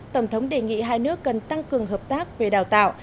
tổng thống đề nghị hai nước cần tăng cường hợp tác về đào tạo